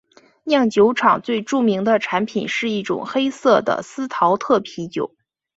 酿酒厂最著名的产品是一种黑色的司陶特啤酒。